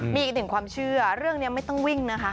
มีอีกหนึ่งความเชื่อเรื่องนี้ไม่ต้องวิ่งนะคะ